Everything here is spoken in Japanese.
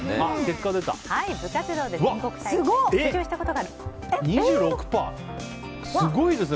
部活動で全国大会に出場したことがある。